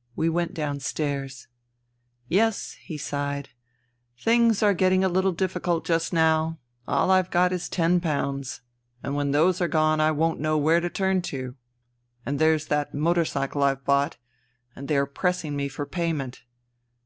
'* We went downstairs. " Yes," he sighed, " things are getting a Uttle difficult just now. AH I've got is ten pounds. And when those are gone I won't know where to turn to. And there's that motor cycle I've bought, and they are pressing me for payment.